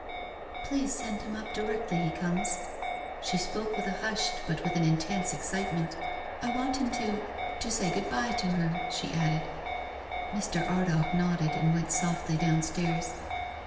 " Please send him up directly he comes." She spoke with a hushed, but with an intense, excitement. " I want him to — 1<^ say good bye to her," she added. Mr. Ardagh nodded, and went softly down stairs.